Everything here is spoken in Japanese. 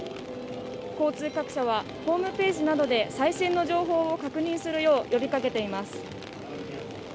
交通各社は、ホームページなどで最新の情報を確認するよう呼びかけています。